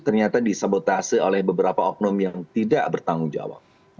ternyata disabotase oleh beberapa oknum yang tidak bertanggung jawab